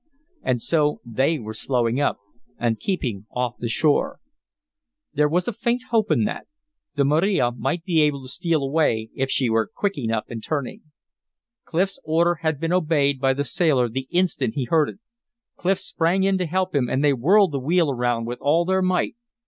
And so they were slowing up and keeping off the shore. There was a faint hope in that; the Maria might be able to steal away if she were quick enough in turning. Clif's order had been obeyed by the sailor the instant he heard it. Clif sprang in to help him, and they whirled the wheel around with all their might.